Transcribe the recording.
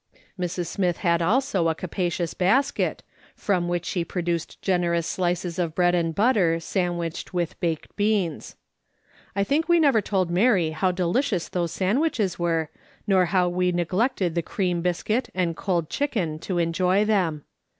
Mrs. Smith had also a capacious basket, from which she "/ think: and MRS. SMITH does:' 69 produced generous slices of bread and butter sand wiched with baked beans. I think we never told ]\Iary how delicious those sandwiches were, nor how vre neglected tlie cream biscuit and cold chicken to enjoy them.